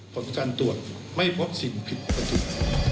ผลการตรวจไม่พบสิ่งผิดปกติ